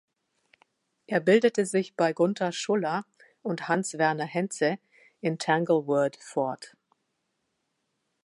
Er bildete sich bei Gunther Schuller und Hans Werner Henze in Tanglewood fort.